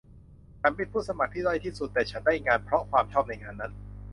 ฉันเป็นผู้สมัครที่ด้อยที่สุด แต่ฉันได้งานเพราะความชอบในงานนั้น